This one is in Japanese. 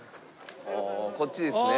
こっちですね。